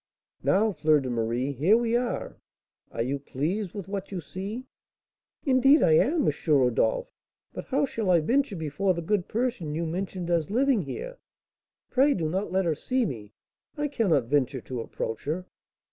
"Now, Fleur de Marie, here we are. Are you pleased with what you see?" "Indeed I am, M. Rodolph. But how shall I venture before the good person you mentioned as living here? Pray do not let her see me, I cannot venture to approach her."